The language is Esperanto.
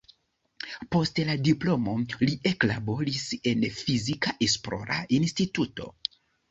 Post la diplomo li eklaboris en fizika esplora instituto.